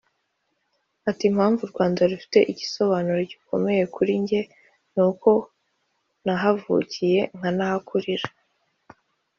Ati “Impamvu u Rwanda rufite igisobanuro gikomeye kuri njye ni uko nahavukiye nkanahakurira